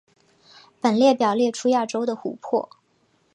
本列表列出亚洲的湖泊。